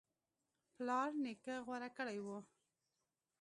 پلار نیکه غوره کړی و